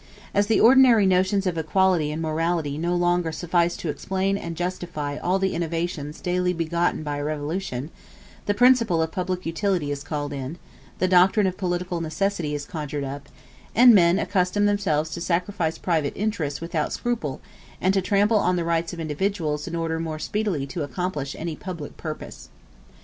As the ordinary notions of equity and morality no longer suffice to explain and justify all the innovations daily begotten by a revolution, the principle of public utility is called in, the doctrine of political necessity is conjured up, and men accustom themselves to sacrifice private interests without scruple, and to trample on the rights of individuals in order more speedily to accomplish any public purpose.